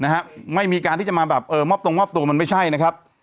นะฮะไม่มีการที่จะมาแบบเออมอบตรงมอบตัวมันไม่ใช่นะครับ